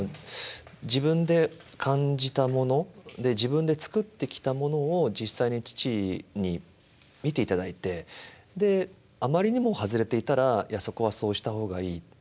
自分で感じたもので自分で作ってきたものを実際に父に見ていただいてであまりにも外れていたら「いやそこはそうした方がいい」。